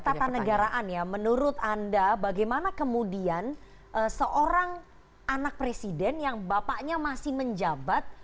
ketatanegaraan ya menurut anda bagaimana kemudian seorang anak presiden yang bapaknya masih menjabat